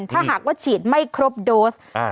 ถ้าหากว่าฉีดไม่ครบโดส